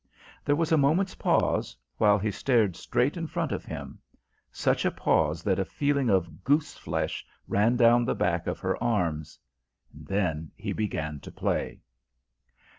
There was a moment's pause, while he stared straight in front of him such a pause that a feeling of goose flesh ran down the back of her arms then he began to play.